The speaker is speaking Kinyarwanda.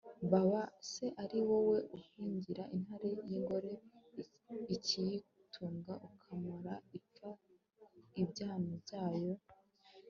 yaba se ari wowe uhigira intare y'ingore ikiyitunga, ukamara ipfa ibyana byayo